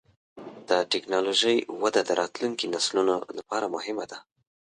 د ټکنالوجۍ وده د راتلونکي نسلونو لپاره مهمه ده.